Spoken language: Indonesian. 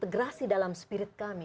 terintegrasi dalam spirit kami